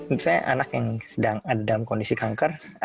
misalnya anak yang sedang dalam kondisi kanker